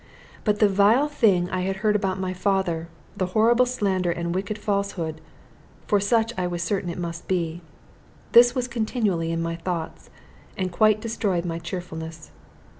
But the vile thing I had heard about my father, the horrible slander and wicked falsehood for such I was certain it must be this was continually in my thoughts, and quite destroyed my cheerfulness.